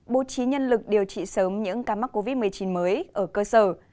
bố trí nhân lực điều trị sớm những ca mắc covid một mươi chín mới ở cơ sở